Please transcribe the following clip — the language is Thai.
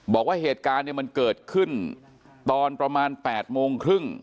บอกว่าเหตุการณ์เนี่ยมันเกิดขึ้นตอนประมาณ๘โมงครึ่ง